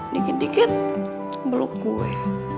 dikit dikit beluk gue